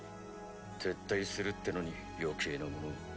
撤退するってのに余計なものを。